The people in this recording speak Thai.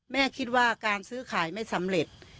แม่คิดว่าการซื้อขายไม่สำเร็จ